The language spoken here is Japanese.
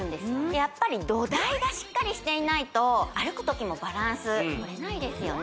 やっぱり土台がしっかりしていないと歩く時もバランスとれないですよね